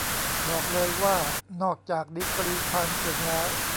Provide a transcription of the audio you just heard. บอกเลยว่านอกจากดีกรีความเก่งแล้ว